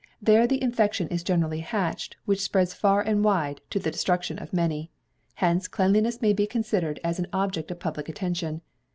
There the infection is generally hatched, which spreads far and wide, to the destruction of many. Hence cleanliness may be considered as an object of public attention.